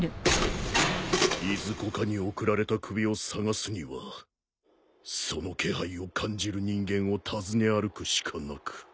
いずこかに送られた首を捜すにはその気配を感じる人間をたずね歩くしかなく。